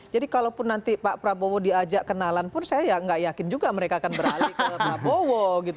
jadi kalaupun nanti pak prabowo diajak kenalan pun saya ya tidak yakin juga mereka akan beralih ke prabowo